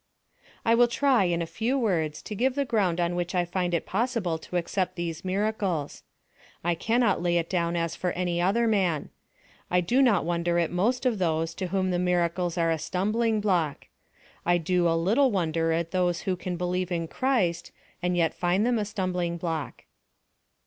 I will try, in a few words, to give the ground on which I find it possible to accept these miracles. I cannot lay it down as for any other man. I do not wonder at most of those to whom the miracles are a stumbling block. I do a little wonder at those who can believe in Christ and yet find them a stumbling block.